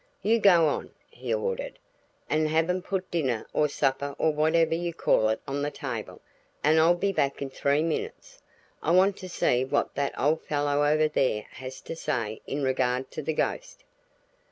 "You go on," he ordered, "and have 'em put dinner or supper or whatever you call it on the table, and I'll be back in three minutes. I want to see what that old fellow over there has to say in regard to the ghost."